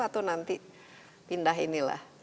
atau nanti pindah inilah